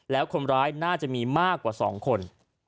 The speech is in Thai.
แล้วคนร้ายน่าจะมีมากกว่า๒คน